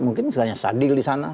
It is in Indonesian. mungkin sedikit di sana